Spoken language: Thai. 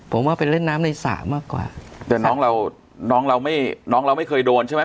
ผมว่าไปเล่นน้ำในสระมากกว่าแต่น้องเราน้องเราไม่น้องเราไม่เคยโดนใช่ไหม